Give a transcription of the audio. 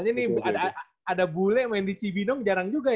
oh ini ada bule yang main di cibinong jarang juga ya